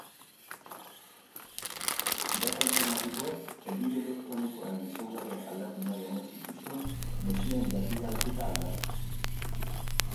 Pirata informatikoek helbide elektronikoaren ezaugarriak aldatu nahi omen zituzten, mezuen berbidalketak aldatzeko.